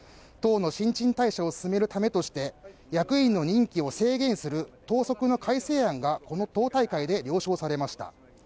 党の新陳代謝を進めるためとして、役員の任期を制限する党則の改正案がこの党大会で了承されました。